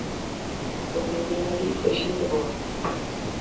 O que eu vin alí foi xente boa.